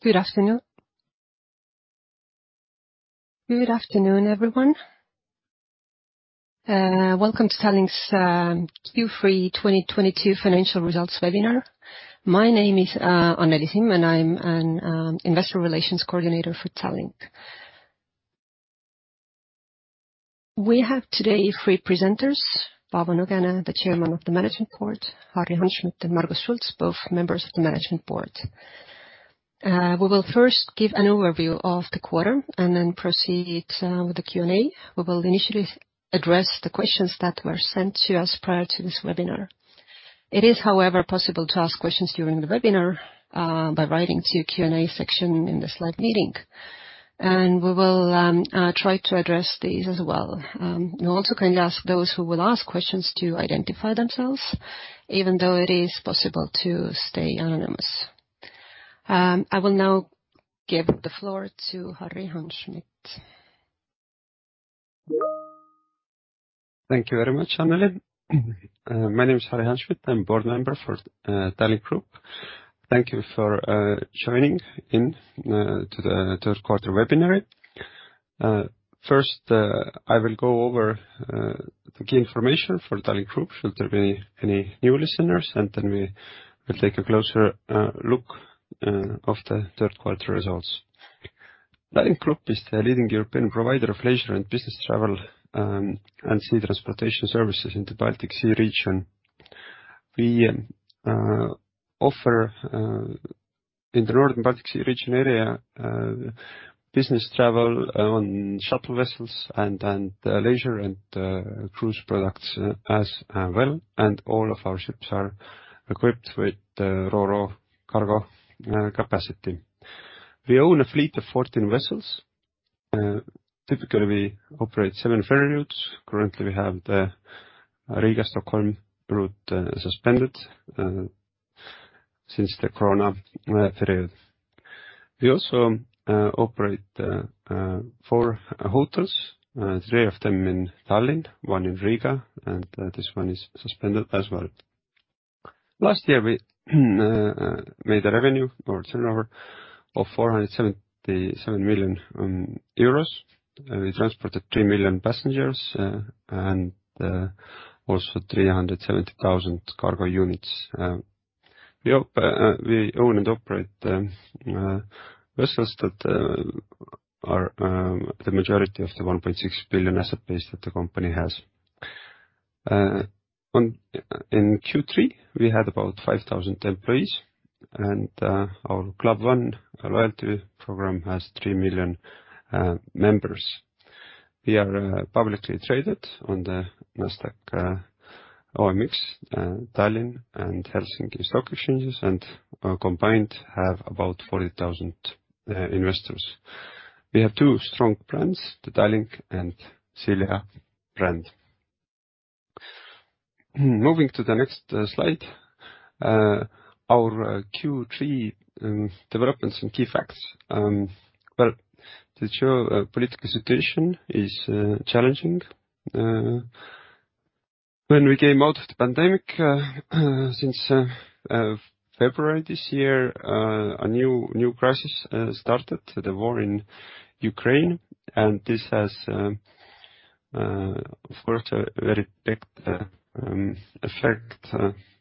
Good afternoon. Good afternoon, everyone. Welcome to Tallink's Q3 2022 Financial Results Webinar. My name is Anneli Simm, and I'm an Investor Relations Coordinator for Tallink. We have today three presenters, Paavo Nõgene, the Chairman of the Management Board, Harri Hanschmidt, and Margus Schults, both Members of the Management Board. We will first give an overview of the quarter and then proceed with the Q&A. We will initially address the questions that were sent to us prior to this webinar. It is, however, possible to ask questions during the webinar by writing to Q&A section in the slide meeting. We will try to address these as well. We also kindly ask those who will ask questions to identify themselves, even though it is possible to stay anonymous. I will now give the floor to Harri Hanschmidt. Thank you very much, Anneli. My name is Harri Hanschmidt. I'm board member for Tallink Grupp. Thank you for joining in to the third quarter webinar. First, uh I will go over the key information for AS Tallink Grupp, should there be any new listeners, and then we will take a closer look of the third quarter results. Tallink Grupp is the leading European provider of leisure and business travel and sea transportation services in the Baltic Sea region. We offer in the northern Baltic Sea region area business travel on shuttle vessels and leisure and cruise products as well. All of our ships are equipped with ro-ro cargo capacity. We own a fleet of 14 vessels. Typically, we operate seven ferry routes. Currently, we have the Riga-Stockholm route suspended since the corona period. We also operate four hotels, three of them in Tallinn, one in Riga, and this one is suspended as well. Last year, uh we made a revenue or turnover of 477 million euros. We transported 3 million passengers and also 370,000 cargo units. We own and operate vessels that are um the majority of the 1.6 billion asset base that the company has. In Q3, we had about 5,000 employees, and our Club One loyalty program has 3 million members. We are publicly traded on the Nasdaq OMX Tallinn and Helsinki stock exchanges, and combined have about 40,000 investors. We have two strong brands, the Tallink and Silja brand. Moving to the next slide, our Q3 developments and key facts. Well, the geopolitical situation is uh challenging. When we came out of the pandemic, uh since uh February this year, a new crisis started, the war in Ukraine and this has forced a very big effect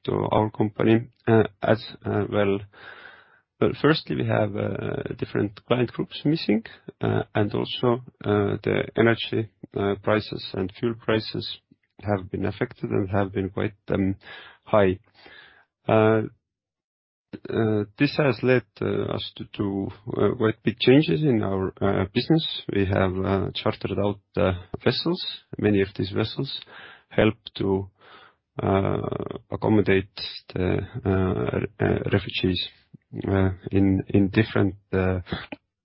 to our company as well. Firstly, we uh have different client groups missing, and also, uh the energy prices and fuel prices have been affected and have been quite high. This has led us to quite big changes in our business. We have uh chartered out vessels. Many of these vessels help to uh accommodate the refugees in different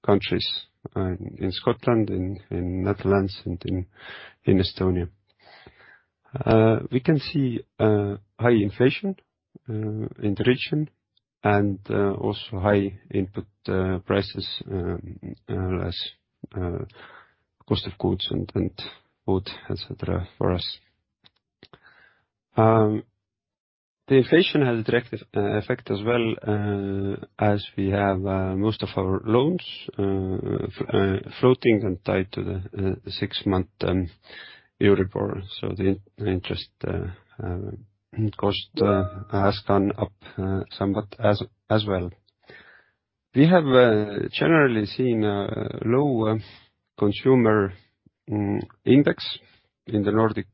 countries in Scotland, in Netherlands and in Estonia. We can see high inflation in the region and also high input prices as cost of goods and food, et cetera, for us. The inflation has a direct effect as well as we have most of our loans floating and tied to the six-month Euribor. The interest cost has gone up somewhat as well. We have uh generally seen a lower consumer index in the Nordic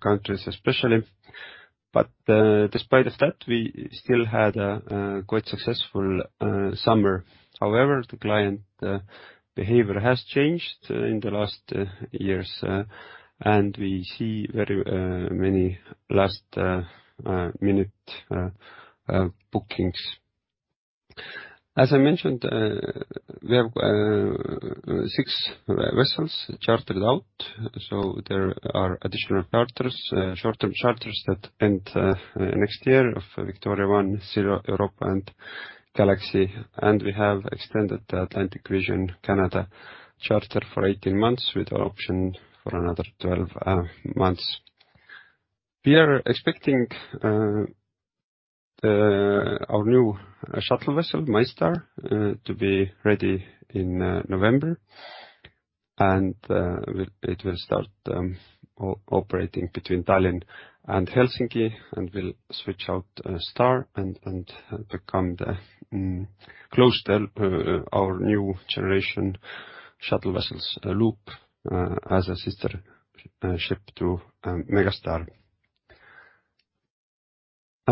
countries especially. Despite of that, we still had a quite successful uh summer. However, the client behavior has changed in the last years, and we see very many last minute bookings. As I mentioned, we have six vessels chartered out, so there are additional charters, short-term charters that end next year of Victoria I, Silja Europa and Galaxy, and we have extended the Atlantic Vision Canada charter for 18 months with an option for another 12 months. We are expecting uh our new shuttle vessel, MyStar, to be ready in November and it will start um operating between Tallinn and Helsinki, and we'll switch out Star and become the closest to our new generation shuttle vessel as a sister ship to Megastar.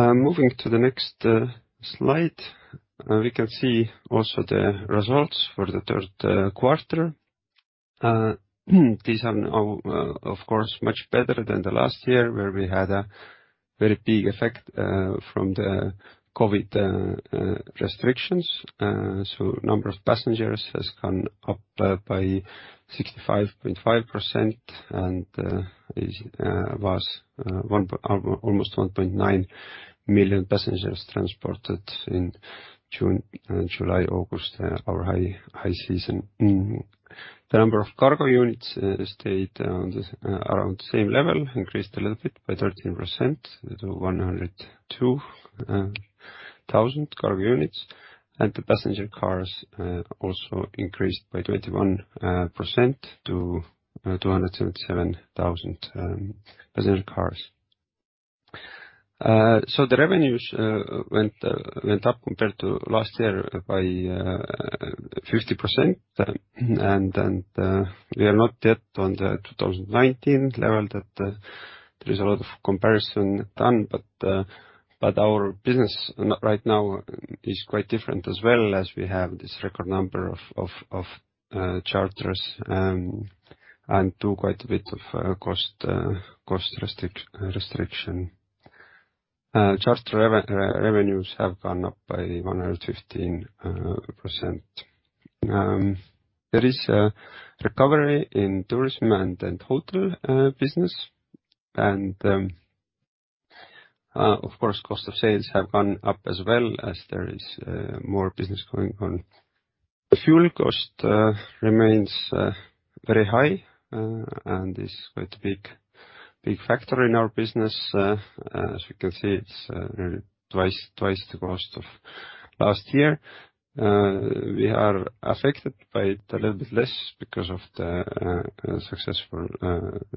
Moving to the next slide, we can see also the results for the third quarter. These are now, of course, much better than the last year where we had a very big effect from the COVID restrictions. Number of passengers has gone up by 65.5% and was almost 1.9 million passengers transported in June, July, August, our high season. The number of cargo units stayed around the same level, increased a little bit by 13% to 102,000 cargo units, and the passenger cars also increased by 21% to 277,000 passenger cars. Revenues went up compared to last year by 50%. We are not yet on the 2019 level that there is a lot of comparison done. Our business right now is quite different as well as we have this record number of charters and do quite a bit of cost restriction. Charter revenues have gone up by 115%. There is a recovery in tourism and hotel business. And um of course, cost of sales have gone up as well as there is more business going on. Fuel cost remains very high and is quite a big factor in our business. As you can see, it's really twice the cost of last year. We are affected by it a little bit less because of the successful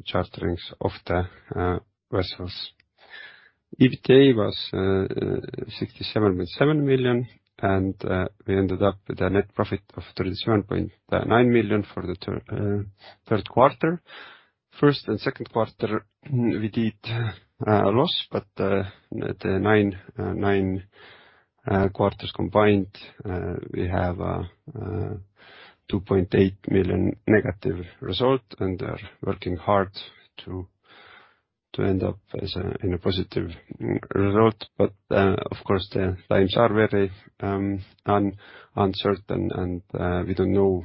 charterings of the vessels. EBITDA was 67.7 million, and we ended up with a net profit of 37.9 million for the third quarter. First and second quarter, we did a loss, but the nine months combined, we have 2.8 million negative result and are working hard to end up in a positive result. Of course, the times are very uncertain, and we don't know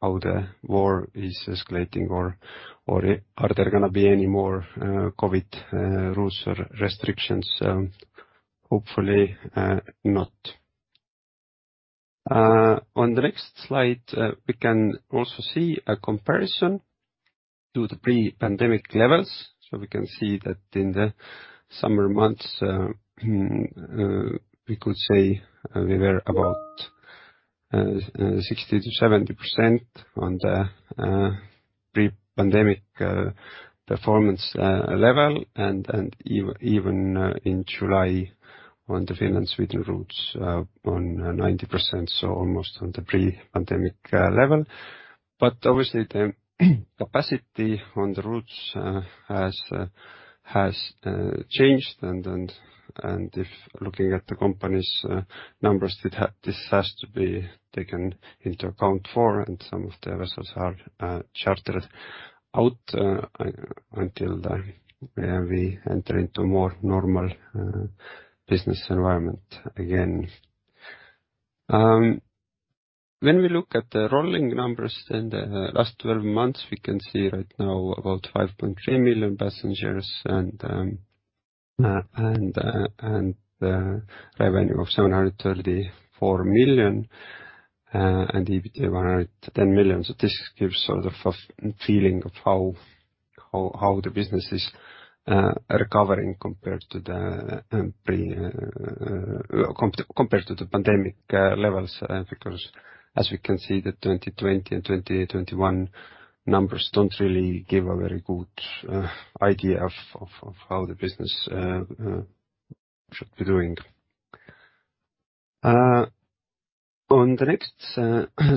how the war is escalating or are there gonna be any more COVID rules or restrictions. Hopefully not. On the next slide, we can also see a comparison to the pre-pandemic levels. We can see that in the summer months, we could say we were about 60%-70% on the pre-pandemic uh performance uh level and even in July on the Finland-Sweden routes, on 90%, so almost on the pre-pandemic uh level. Obviously, the capacity on the routes has changed and if looking at the company's numbers, this has to be taken into account for, and some of the vessels are chartered out until we enter into more normal business environment again. When we look at the rolling numbers in the last twelve months, we can see right now about 5.3 million passengers anduh revenue of 734 million and EBITDA 110 million. This gives sort of a feeling of how the business is recovering compared to the uh uh pandemic levels, because as we can see, the 2020 and 2021 numbers don't really give a very good idea of how the business should be doing. On the next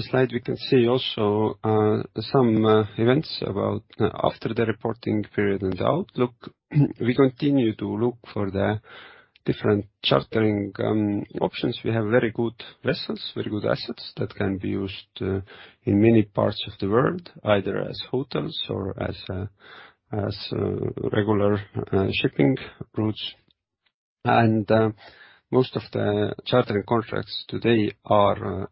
slide, we can see also some events about after the reporting period and the outlook. We continue to look for the different chartering options. We have very good vessels, very good assets that can be used in many parts of the world, either as hotels or as regular shipping routes. Most of the chartering contracts today are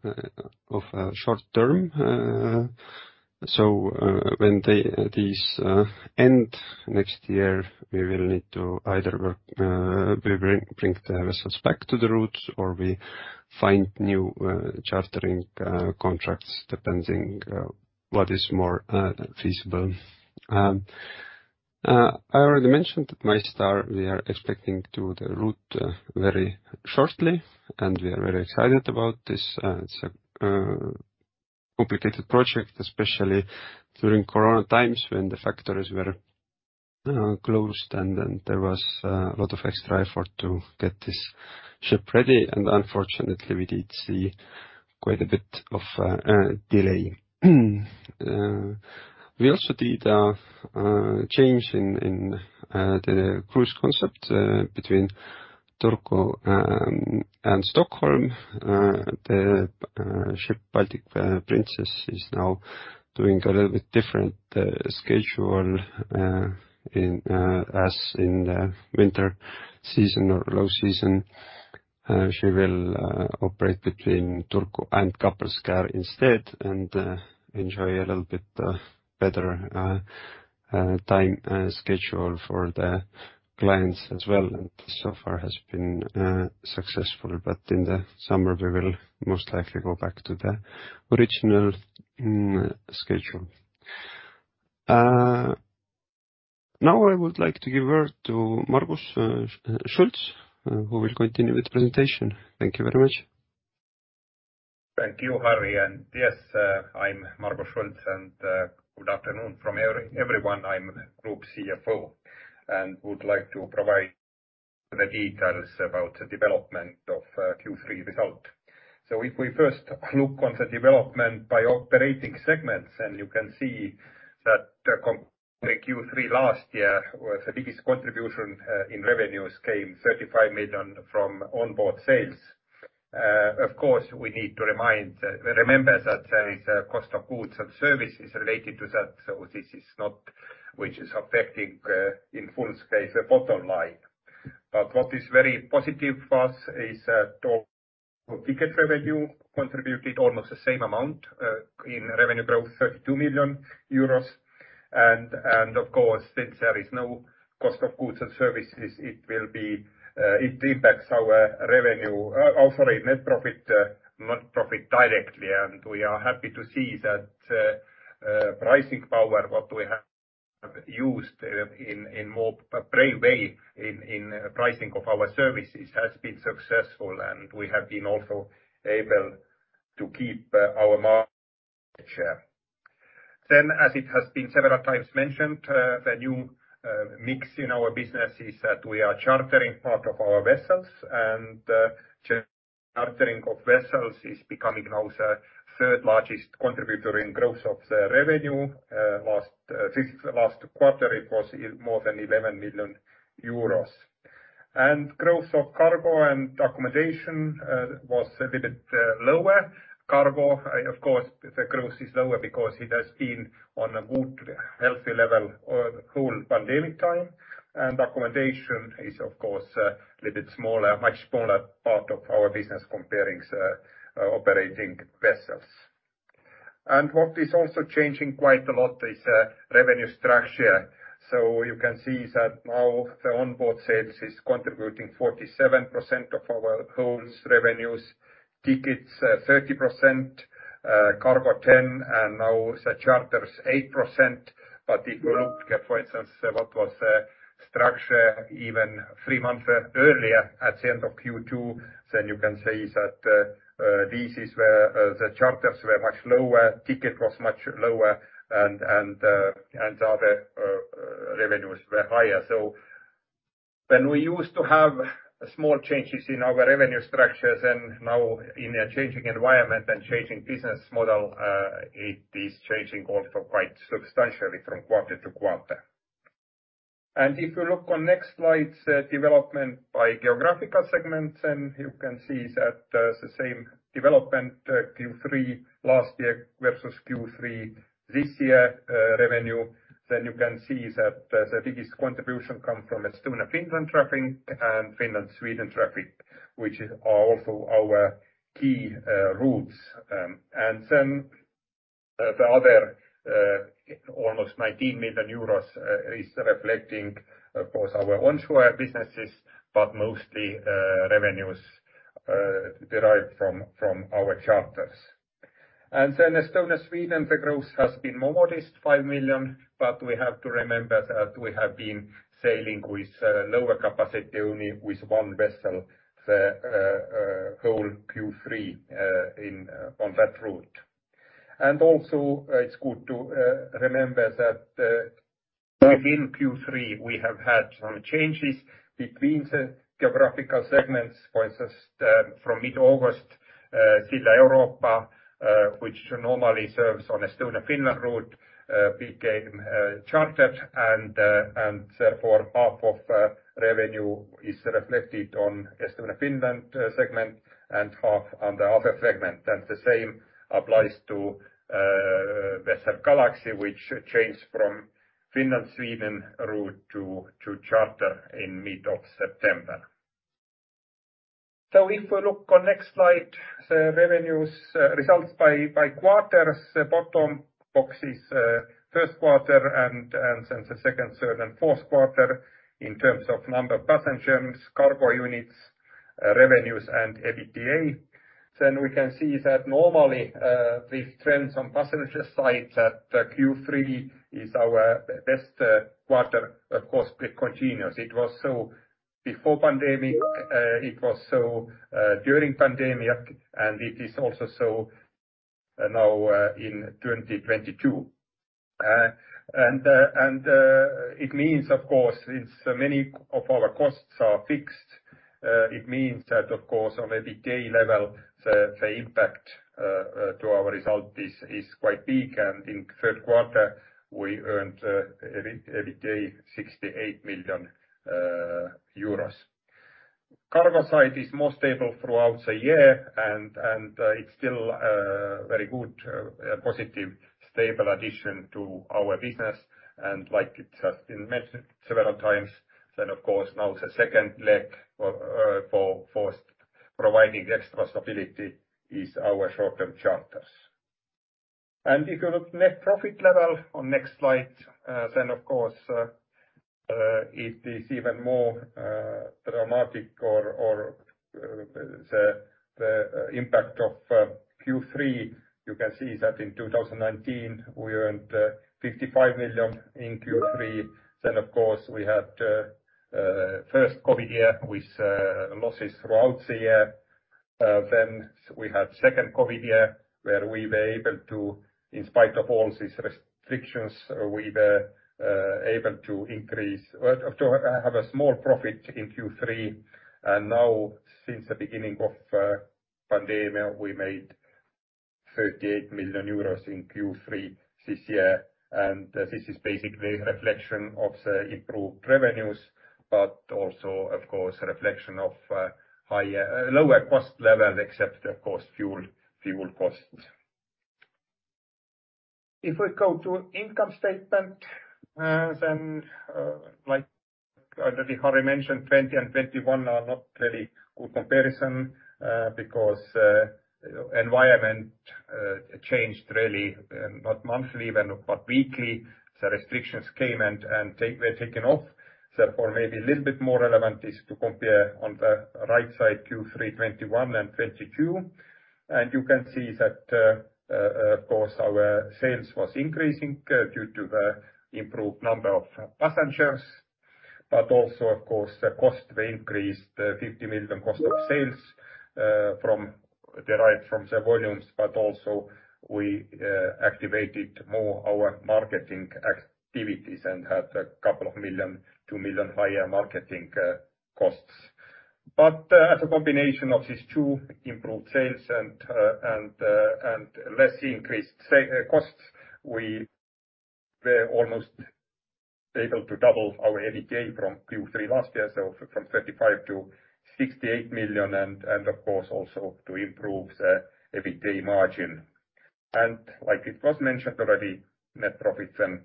of a short-term. So, when these end next year, we will need to either work. We bring the vessels back to the routes, or we find new chartering contracts, depending what is more feasible. I already mentioned MyStar. We are expecting to the route very shortly, and we are very excited about this. It's a complicated project, especially during corona times when the factories were closed and then there was a lot of extra effort to get this ship ready, and unfortunately, we did see quite a bit of uh delay. We also did change in the cruise concept between Turku and uh Stockholm. The ship Baltic Princess is now doing a little bit different schedule in as in the winter season or low season. She will operate between Turku and Kapellskär instead and enjoy a little bit better time schedule for the clients as well, and so far has been successful. In the summer we will most likely go back to the original schedule. Now I would like to give word to Margus Schults who will continue with presentation. Thank you very much. Thank you, Harri. Yes, I'm Margus Schults, good afternoon from everyone. I'm Group CFO and would like to provide the details about the development of uh Q3 result. If we first look on the development by operating segments, and you can see that Q3 last year, the biggest contribution in revenues came 35 million from onboard sales. Of course, we need to remember that there is a cost of goods and services related to that, this is not which is affecting in full the bottom line. What is very positive for us is that ticket revenue contributed almost the same amount in revenue growth, 32 million euros. And of course, since there is no cost of goods and services, it impacts our revenue, also our net profit, not profit directly. We are happy to see that uh pricing power, what we have used in more brave way in pricing of our services has been successful, and we have been also able to keep our market share. As it has been several times mentioned, the new mix in our business is that we are chartering part of our vessels, and chartering of vessels is becoming now the third largest contributor in growth of the revenue. Last quarter, it was even more than 11 million euros. Growth of cargo and accommodation was a little bit lower. Cargo, of course, the growth is lower because it has been on a good, healthy level whole pandemic time. Accommodation is of course a little bit smaller, much smaller part of our business comparing operating vessels. What is also changing quite a lot is revenue structure. You can see that now the onboard sales is contributing 47% of our whole revenues. Tickets 30%, cargo 10%, and now the charter is 8%. If you look at, for instance, what was the structure even three months earlier at the end of Q2, then you can say that this is where the charters were much lower, ticket was much lower, and uh other revenues were higher. When we used to have small changes in our revenue structures, and now in a changing environment and changing business model, it is changing also quite substantially from quarter to quarter. If you look on next slide, development by geographical segments, and you can see that the same development, Q3 last year versus Q3 this year, revenue. You can see that the biggest contribution come from Estonia-Finland traffic and Finland-Sweden traffic, which are also our key routes. The other almost 19 million euros is reflecting, of course, our onshore businesses, but mostly revenues derived from our charters. Estonia-Sweden, the growth has been modest, 5 million, but we have to remember that we have been sailing with lower capacity, only with one vessel whole Q3 on that route. It's good to remember that within Q3, we have had some changes between the geographical segments. For instance, from mid-August, Silja Europa, which normally serves on Estonia-Finland route, became chartered, and therefore half of revenue is reflected on Estonia-Finland segment and half on the other segment. The same applies to uh vessel Galaxy, which changed from Finland-Sweden route to charter in mid of September. If we look at the next slide, the revenues, results by quarters, the bottom box is first quarter and then the second, third, and fourth quarter in terms of number of passengers, cargo units, revenues and EBITDA. We can see that normally, with trends on passenger side that Q3 is our best quarter across the concessions. It was so before pandemic, it was so during pandemic, and it is also so now in 2022. It means, of course, since many of our costs are fixed, that of course on EBITDA level, the impact to our result is quite big. In third quarter, we earned EBITDA EUR 68 million. Cargo side is more stable throughout the year and it's still uh very good positive stable addition to our business. Like it has been mentioned several times, then of course now the second leg for providing extra stability is our short-term charters. And if you look net profit level on next slide, then of course it is even more dramatic or the impact of Q3. You can see that in 2019, we earned 55 million in Q3. Of course, we had first COVID year with losses throughout the year. We had second COVID year, where, in spite of all these restrictions, we were able to increase or to have a small profit in Q3. Now, since the beginning of pandemic, we made 38 million euros in Q3 this year. This is basically a reflection of the improved revenues, but also, of course, a reflection of lower cost level, except of course, fuel costs. If we go to income statement, then, like that Harri mentioned, 2020 and 2021 are not very good comparison, because environment changed really, not monthly even, but weekly. The restrictions came and were taken off. Therefore, maybe a little bit more relevant is to compare on the right side, Q3 2021 and 2022. You can see that, uh of course, our sales was increasing due to the improved number of passengers, but also, of course, the cost were increased 50 million cost of sales from derived from the volumes, but also we activated more our marketing activities and had a couple of million, 2 million higher marketing costs. As a combination of these two improved sales and less increased costs, we were almost able to double our EBITDA from Q3 last year, from 35 million to 68 million, and of course also to improve the EBITDA margin. Like it was mentioned already, net profit is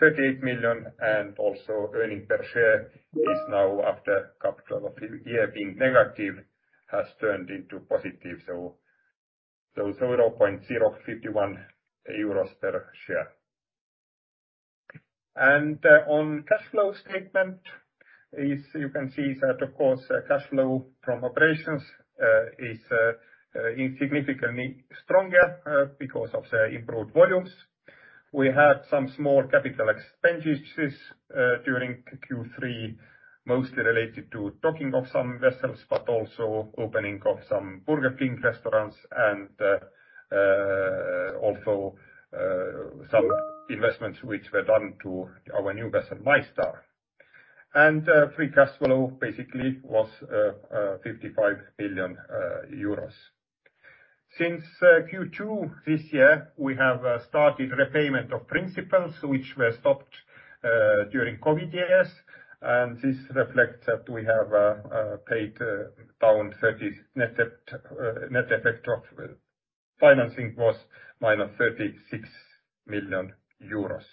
38 million and also earnings per share is now, after recap of the year being negative, has turned into positive. 0.051 euros per share. On the cash flow statement, as you can see, that of course cash flow from operations is significantly stronger because of the improved volumes. We had some small capital expenditures during Q3, mostly related to docking of some vessels, but also opening of some Burger King restaurants and also some investments which were done to our new vessel, MyStar. Free cash flow basically was 55 million euros. Since Q2 this year, we have started repayment of principals, which were stopped during COVID years. This reflects that we have paid down EUR 30 million net debt. Net effect of financing was -36 million euros.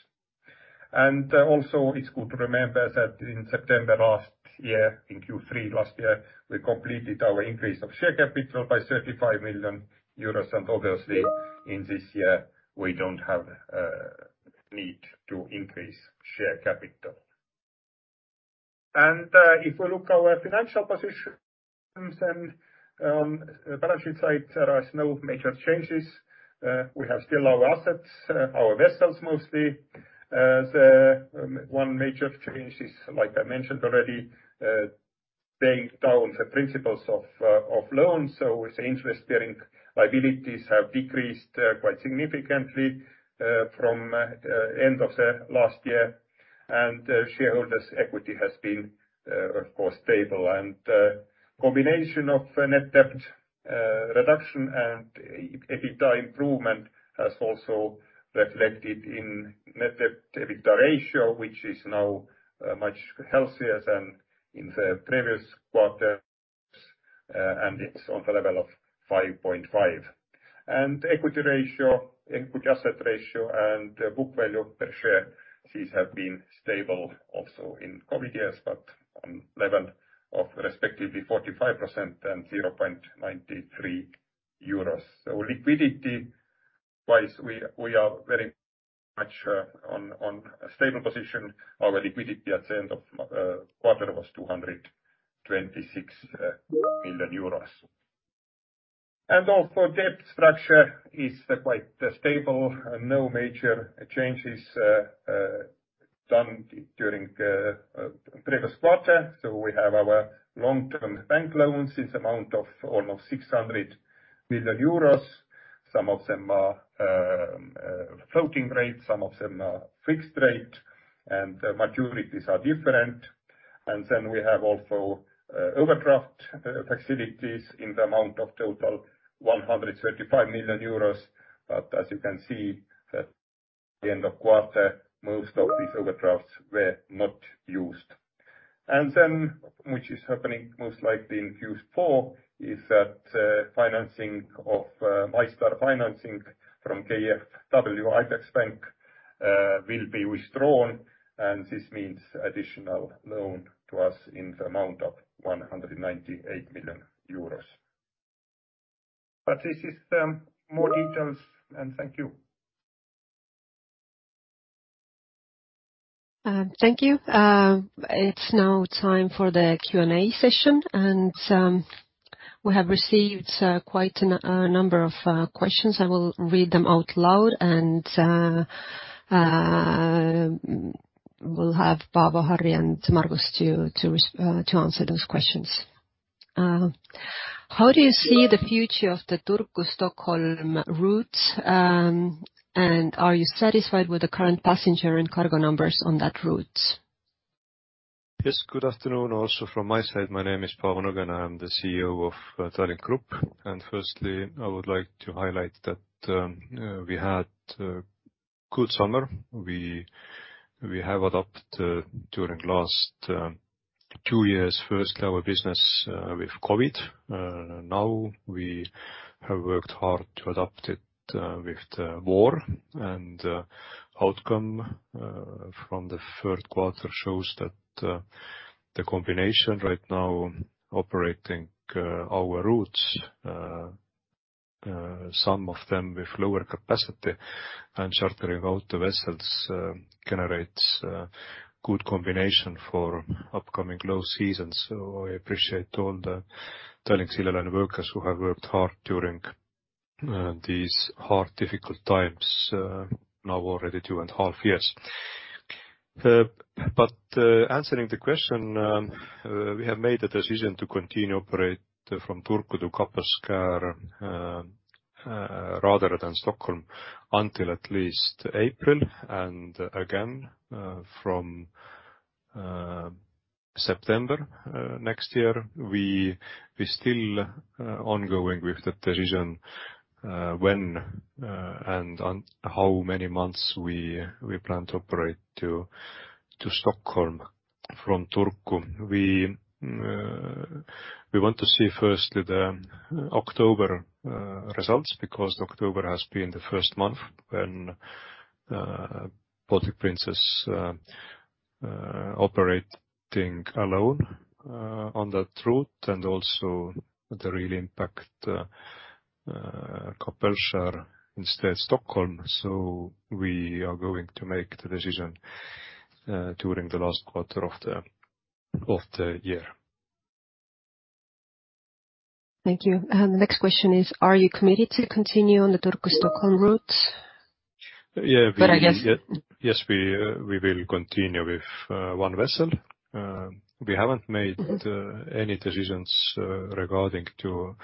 It's good to remember that in September last year, in Q3 last year, we completed our increase of share capital by 35 million euros. Obviously, in this year, we don't have need to increase share capital. If we look our financial positions and balance sheet side, there is no major changes. We have still our assets, our vessels mostly. The one major change is, like I mentioned already, paying down the principals of loans. The interest bearing liabilities have decreased quite significantly from end of the last year. Shareholders' equity has been, of course, stable. Combination of net debt reduction and EBITDA improvement has also reflected in net debt to EBITDA ratio, which is now much healthier than in the previous quarters, and it's on the level of 5.5. Equity ratio, equity asset ratio and book value per share, these have been stable also in COVID years, but on level of respectively 45% and 0.93 euros. Liquidity-wise we are very much on a stable position. Our liquidity at the end of quarter was 226 million euros. Also debt structure is quite stable and no major changes done during previous quarter. We have our long-term bank loans is amount of almost 600 million euros. Some of them are floating rate, some of them are fixed rate, and maturities are different. We have also overdraft facilities in the amount of total 135 million euros. As you can see, at the end of quarter, most of these overdrafts were not used. Which is happening most likely in Q4 is that financing of MyStar financing from KfW IPEX-Bank will be withdrawn, and this means additional loan to us in the amount of 198 million euros. This is more details and thank you. Thank you. It's now time for the Q&A session, and we have received quite a number of questions. I will read them out loud and we'll have Paavo, Harri, and Margus to answer those questions. How do you see the future of the Turku-Stockholm route, and are you satisfied with the current passenger and cargo numbers on that route? Yes. Good afternoon also from my side. My name is Paavo Nõgene. I'm the CEO of Tallink Grupp. Firstly, I would like to highlight that we had a good summer. We have adapted during last two years, firstly our business with COVID. Now we have worked hard to adapt it with the war. Outcome from the third quarter shows that the combination right now operating our routes, some of them with lower capacity and chartering out the vessels, generates a good combination for upcoming low season. I appreciate all the Tallink Silja Line workers who have worked hard during these hard, difficult times, now already two and half years. Answering the question, we have made a decision to continue operate from Turku to Kapellskär, rather than Stockholm, until at least April, and again, from September next year. We still ongoing with the decision, when and on how many months we plan to operate to Stockholm from Turku. We want to see first the October results, because October has been the first month when Baltic Princess operating alone on that route, and also the real impact Kapellskär instead Stockholm. We are going to make the decision during the last quarter of the year. Thank you. The next question is, are you committed to continue on the Turku-Stockholm route? Yeah. I guess. Yes, we will continue with one vessel. We haven't made- Mm-hmm. Any decisions regarding to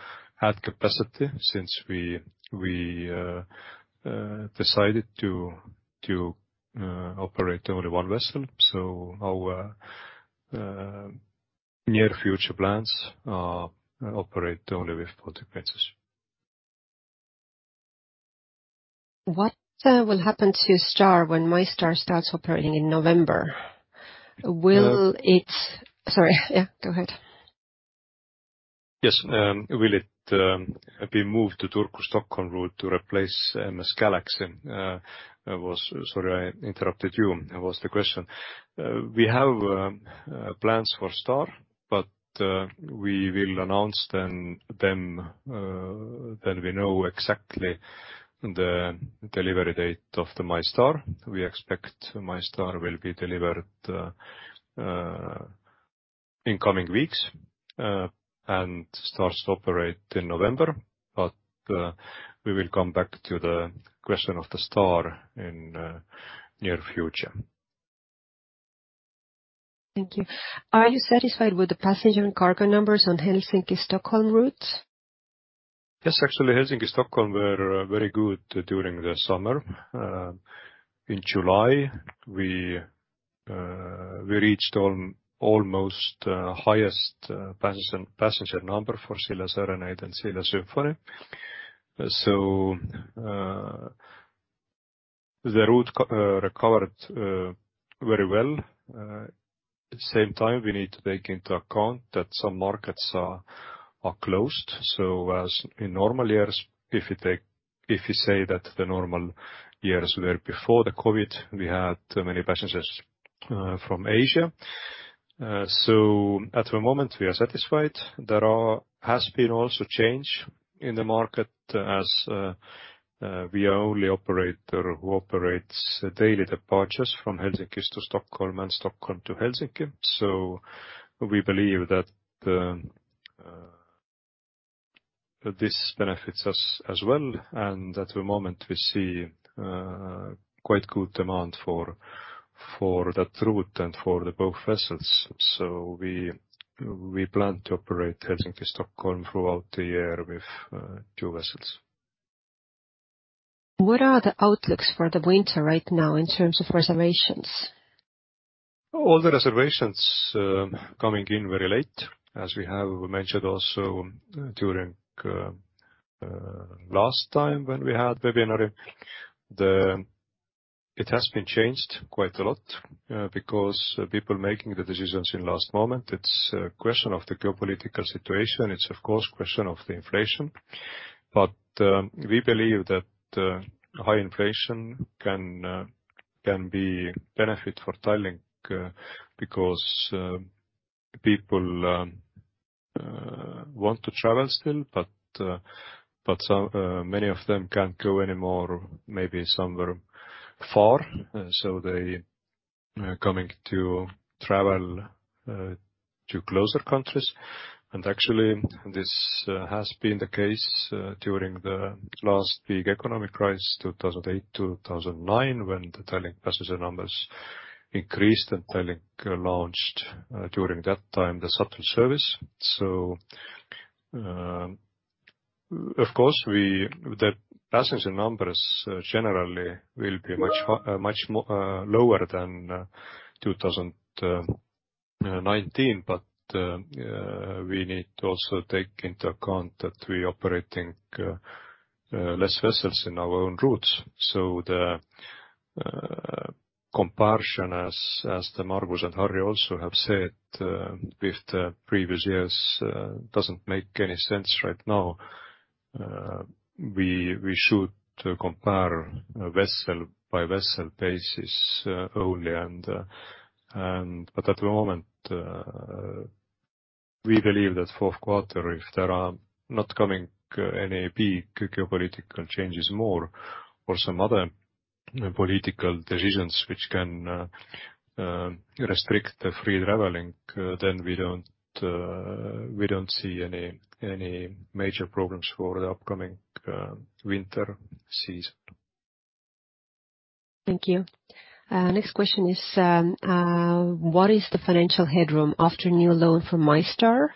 add capacity since we uh decided to operate only one vessel. Our near future plans are operate only with Baltic Princess. What will happen to Star when MyStar starts operating in November? Sorry. Yeah, go ahead. Yes. Will it be moved to Turku-Stockholm route to replace Galaxy? Sorry I interrupted you. That was the question. We have plans for Star, but we will announce them when we know exactly the delivery date of the MyStar. We expect MyStar will be delivered in coming weeks and starts to operate in November. We will come back to the question of the Star in near future. Thank you. Are you satisfied with the passenger and cargo numbers on Helsinki-Stockholm routes? Yes. Actually, Helsinki-Stockholm were very good during the summer. In July, we uh reached an almost highest uh passenger number for Silja Serenade and Silja Symphony. The route recovered very well. At the same time, we need to take into account that some markets are closed. As in normal years, if you say that the normal years were before the COVID, we had many passengers from Asia. At the moment we are satisfied. There has been also change in the market as uh we are only operator who operates daily departures from Helsinki to Stockholm and Stockholm to Helsinki. We believe that this benefits us as well. At the moment we see quite good demand for that route and for the both vessels. We plan to operate Helsinki-Stockholm throughout the year with two vessels. What are the outlooks for the winter right now in terms of reservations? All the reservations coming in very late, as we have mentioned also during last time when we had webinar. It has been changed quite a lot because people making the decisions in last moment. It's a question of the geopolitical situation. It's of course question of the inflation. We believe that high inflation can be benefit for Tallink because people want to travel still, but many of them can't go anymore maybe somewhere far so they are coming to travel to closer countries. Actually, this has been the case during the last big economic crisis, 2008, 2009, when the Tallink passenger numbers increased and Tallink launched during that time, the shuttle service. Of course, the passenger numbers generally will be much lower than 2019, but we need to also take into account that we operating less vessels in our own routes. The comparison, as the Margus and Harri also have said, with the previous years doesn't make any sense right now. We should compare vessel-by-vessel basis only. But at the moment, we believe that fourth quarter, if there are not coming any big geopolitical changes more or some other political decisions which can restrict the free traveling, then we don't see any major problems for the upcoming winter season. Thank you. Next question is, what is the financial headroom after new loan from MyStar?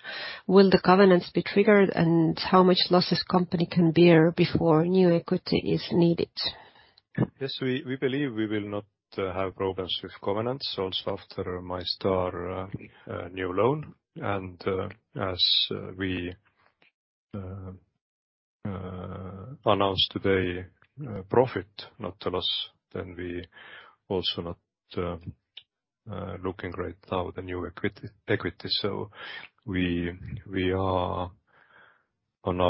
Will the covenants be triggered? How much losses company can bear before new equity is needed? Yes, we believe we will not have problems with covenants also after MyStar new loan. As we announce today, profit, not a loss, then we also not looking right now the new equity. We are on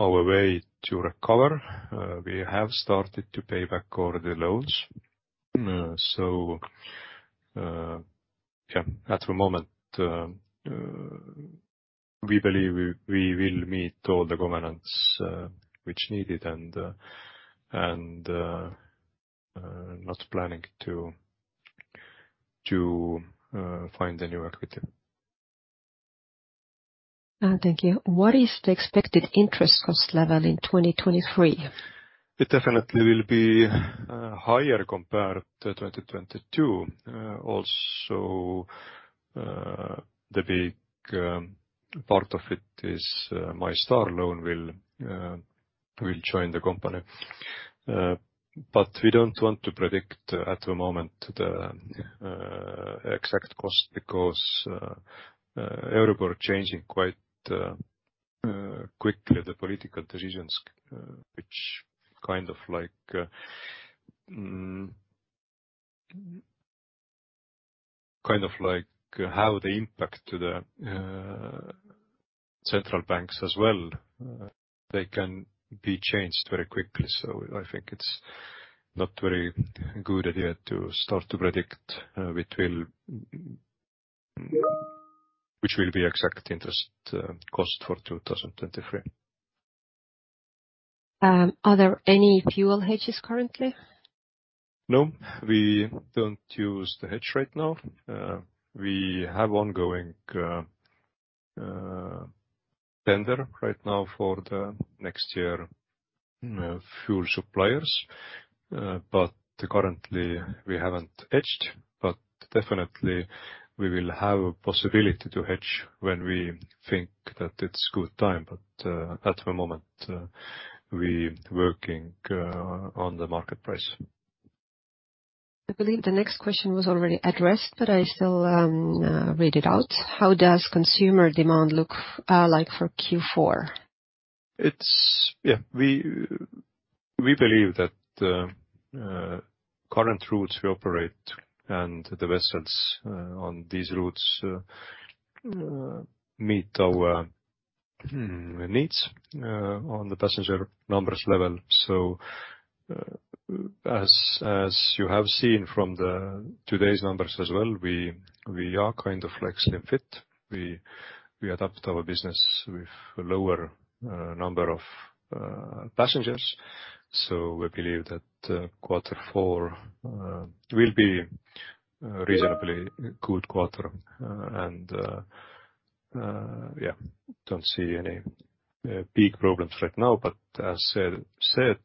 our way to recover. We have started to pay back all the loans. At the moment, we believe we will meet all the covenants which needed and not planning to find the new equity. Thank you. What is the expected interest cost level in 2023? It definitely will be higher compared to 2022. Also, the big part of it is MyStar loan will join the company. But we don't want to predict at the moment the exact cost because Euribor changing quite quickly the political decisions, which kind of like have the impact to the central banks as well. They can be changed very quickly. I think it's not very good idea to start to predict which will be exact interest cost for 2023. Are there any fuel hedges currently? No, we don't use the hedge right now. We have ongoing tender right now for the next year, fuel suppliers. Currently we haven't hedged, but definitely we will have a possibility to hedge when we think that it's good time. At the moment, we working on the market price. I believe the next question was already addressed, but I still read it out. How does consumer demand look like for Q4? We believe that the current routes we operate and the vessels on these routes meet our needs on the passenger numbers level. As you have seen from today's numbers as well, we are kind of like slim fit. We adapt our business with lower number of passengers. We believe that quarter four will be a reasonably good quarter. Yeah, don't see any big problems right now. As said,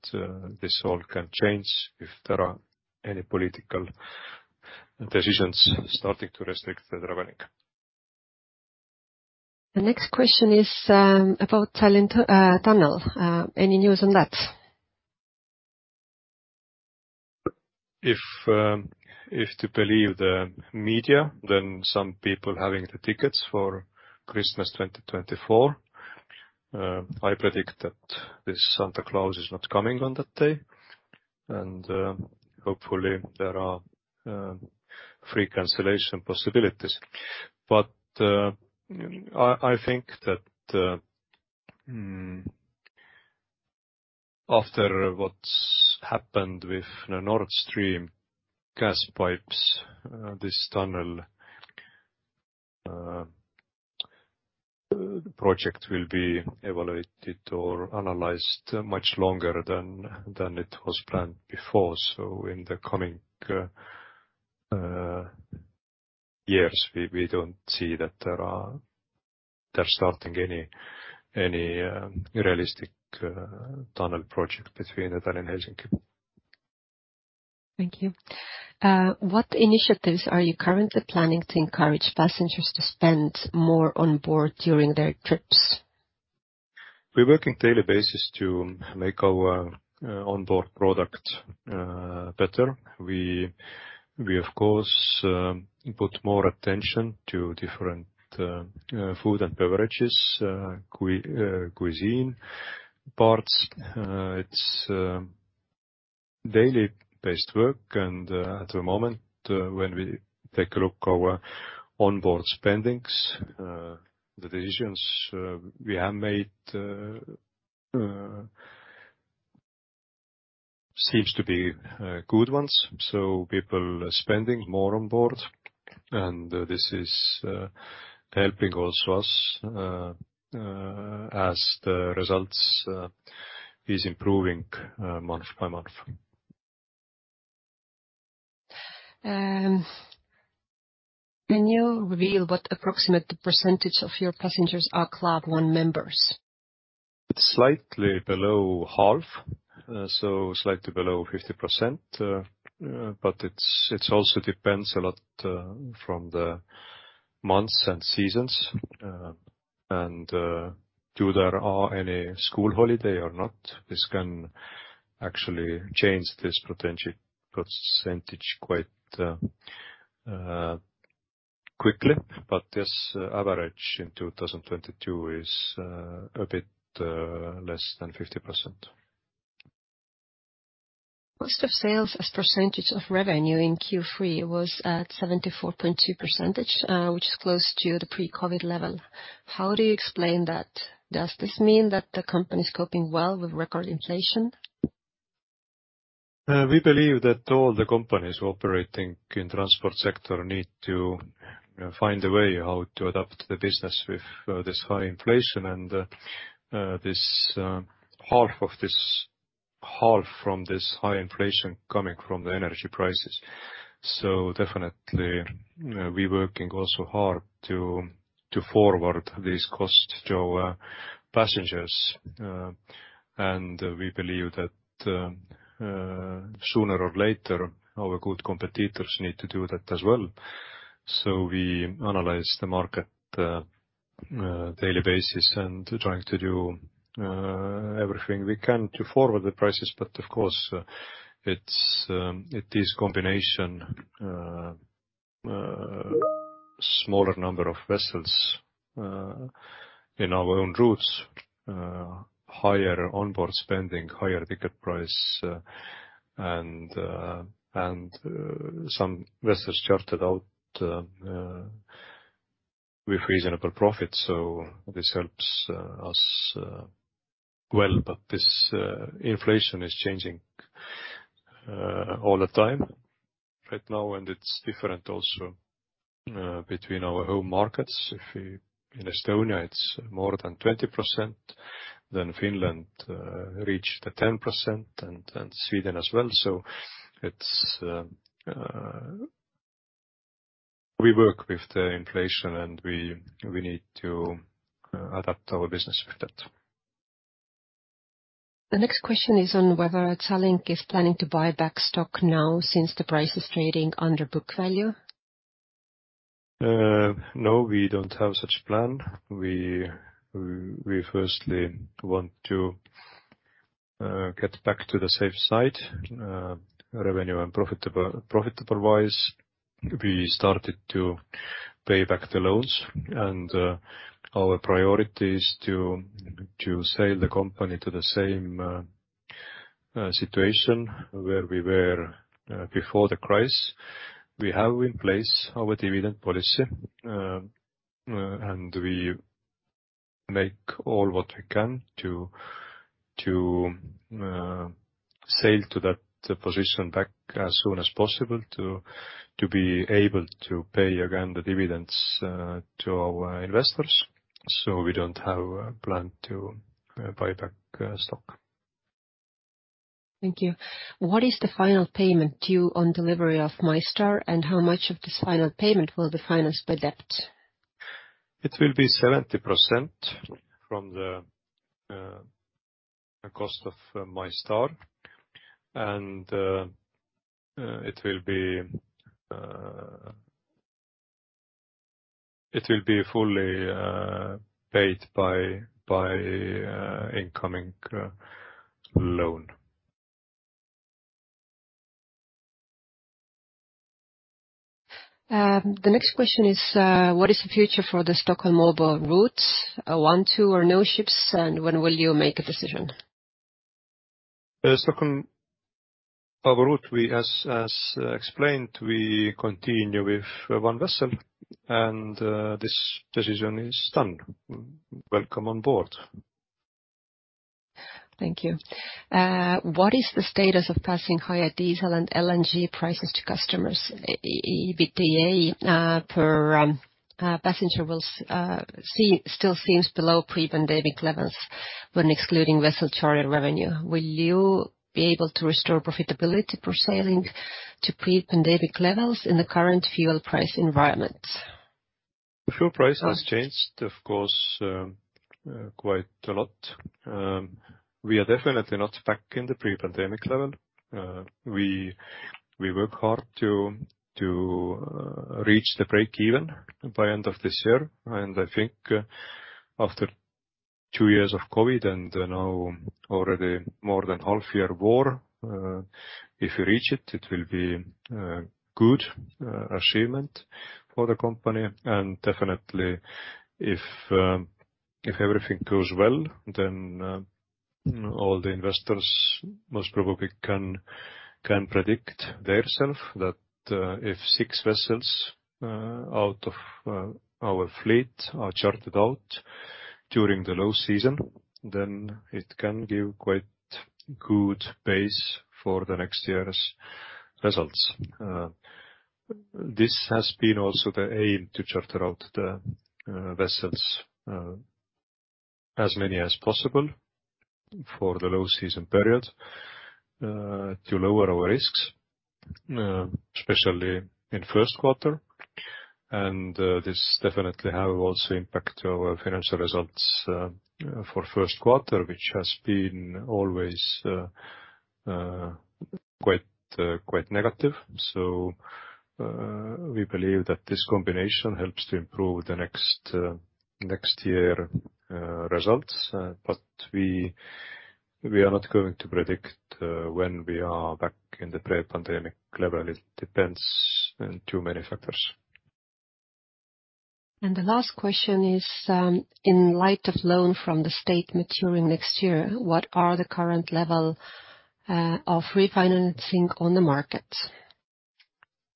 this all can change if there are any political decisions starting to restrict the traveling. The next question is about tunnel. Any news on that? If to believe the media, then some people having the tickets for Christmas 2024, I predict that this Santa Claus is not coming on that day. Hopefully there are free cancellation possibilities. I think that after what's happened with the Nord Stream gas pipes, this tunnel project will be evaluated or analyzed much longer than it was planned before. In the coming years, we don't see that they're starting any realistic tunnel project between Tallinn and Helsinki. Thank you. What initiatives are you currently planning to encourage passengers to spend more on board during their trips? We're working daily basis to make our onboard product better. We of course put more attention to different food and beverages cuisine parts. It's daily based work. At the moment, when we take a look our onboard spendings, the decisions we have made seems to be good ones, so people are spending more on board, and this is helping also us as the results is improving month by month. Can you reveal what approximate percentage of your passengers are Club One members? It's slightly below half, so slightly below 50%. It also depends a lot on the months and seasons, and whether there are any school holidays or not. This can actually change this potential percentage quite quickly. Yes, average in 2022 is a bit less than 50%. Cost of sales as percentage of revenue in Q3 was at 74.2%, which is close to the pre-COVID level. How do you explain that? Does this mean that the company is coping well with record inflation? We believe that all the companies operating in transport sector need to find a way how to adapt the business with this high inflation and half of this high inflation coming from the energy prices. Definitely, we working also hard to forward these costs to our passengers. We believe that sooner or later, our good competitors need to do that as well. We analyze the market daily basis and trying to do everything we can to forward the prices. Of course, it is combination smaller number of vessels in our own routes, higher onboard spending, higher ticket price, and some vessels chartered out with reasonable profit. This helps us well. This inflation is changing all the time right now, and it's different also between our home markets. In Estonia, it's more than 20%. Finland reached 10% and Sweden as well. We work with the inflation, and we need to adapt our business with that. The next question is on whether Tallink is planning to buy back stock now since the price is trading under book value. No, we don't have such plan. We first want to get back to the safe side, revenue and profitable-wise. We started to pay back the loans and our priority is to sail the company to the same situation where we were before the crisis. We have in place our dividend policy and we make all what we can to sail to that position back as soon as possible to be able to pay again the dividends to our investors. We don't have a plan to buy back stock. Thank you. What is the final payment due on delivery of MyStar? How much of this final payment will be financed by debt? It will be 70% from the cost of MyStar, and it will be fully paid by incoming loan. The next question is, what is the future for the Stockholm-Helsinki routes? One, two, or no ships, and when will you make a decision? The Stockholm-Helsinki route, as explained, we continue with one vessel and this decision is done. Welcome on board. Thank you. What is the status of passing higher diesel and LNG prices to customers? EBITDA per passenger still seems below pre-pandemic levels when excluding vessel charter revenue. Will you be able to restore profitability per sailing to pre-pandemic levels in the current fuel price environment? Fuel price has changed, of course, quite a lot. We are definitely not back in the pre-pandemic level. We work hard to reach the break-even by end of this year. I think after two years of COVID and now already more than half year war, if we reach it will be good achievement for the company. Definitely if everything goes well, then all the investors most probably can predict themselves that, if 6 vessels out of our fleet are chartered out during the low season, then it can give quite good base for the next year's results. This has been also the aim, to charter out the vessels, as many as possible for the low season period, to lower our risks, especially in first quarter. This definitely have also impact our financial results for first quarter, which has been always quite negative. We believe that this combination helps to improve the next year results. We are not going to predict when we are back in the pre-pandemic level. It depends on too many factors. The last question is, in light of loan from the state maturing next year, what are the current level of refinancing on the market?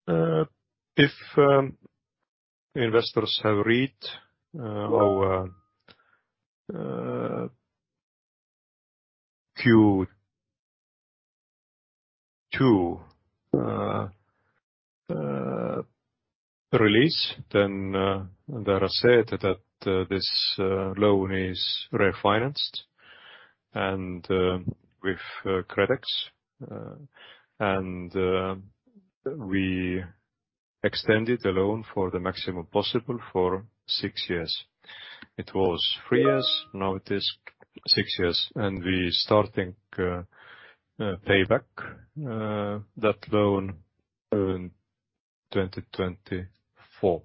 If investors have read our uh Q2 uh release, then uh there I said that uh this loan is refinanced and with credits and we extended the loan for the maximum possible for six years. It was three years, now it is six years. We starting payback that loan in 2024.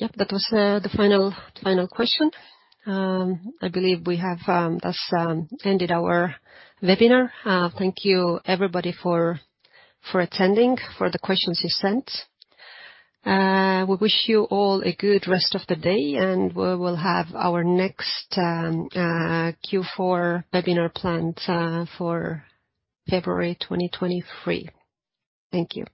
Yep, that was the final question. I believe we have thus ended our webinar. Thank you everybody for attending, for the questions you sent. We wish you all a good rest of the day, and we will have our next Q4 webinar planned for February 2023. Thank you.